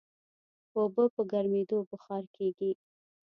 اوبه په ګرمېدو بخار کېږي.